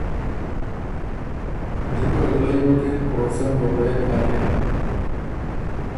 جِکه غِلئ بُکِن او څه ن بُو غوېک نکِن۔